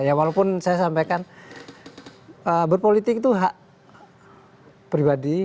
ya walaupun saya sampaikan berpolitik itu hak pribadi